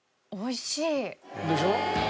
でしょ？